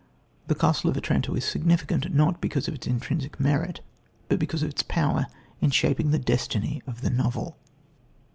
The Castle of Otranto is significant, not because of its intrinsic merit, but because of its power in shaping the destiny of the novel.